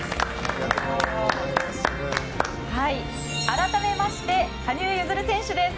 改めまして羽生結弦選手です。